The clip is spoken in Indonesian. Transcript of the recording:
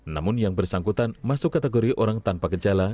namun yang bersangkutan masuk kategori orang tanpa gejala